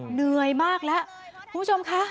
เหนื่อยมากแล้วคุณผู้ชมคะ